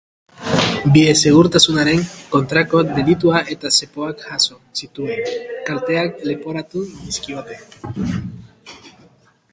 Bide-segurtasunaren kontrako delitua eta zepoak jaso zituen kalteak leporatu dizkiote.